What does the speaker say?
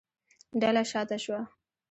ډله شا ته شوه.